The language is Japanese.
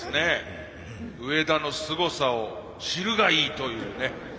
「上田のすごさを知るがいい！」というね。